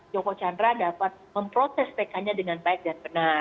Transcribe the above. joko chandra dapat memprotes pk nya dengan baik dan benar